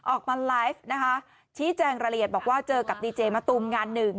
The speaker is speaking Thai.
ออกมาไลฟ์นะคะชี้แจงรายละเอียดบอกว่าเจอกับดีเจมะตูมงานหนึ่ง